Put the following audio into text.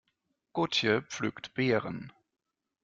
Gotje pflückt Beeren.